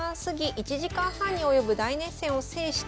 １時間半に及ぶ大熱戦を制した